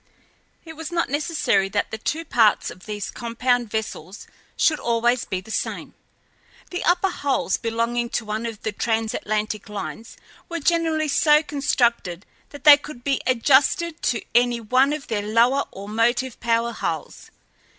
It was not necessary that the two parts of these compound vessels should always be the same. The upper hulls belonging to one of the transatlantic lines were generally so constructed that they could be adjusted to any one of their lower or motive power hulls.